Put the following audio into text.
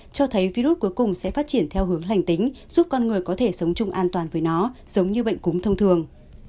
cho thấy virus cuối cùng sẽ phát triển theo hướng lành tính giúp con người có thể sống chung an toàn với nó giống như bệnh cúm thông thường